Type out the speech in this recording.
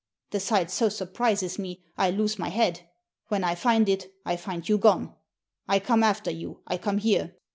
The sight so surprises me, I lose my head. When I find it, I find you gone. I come after you. I come here.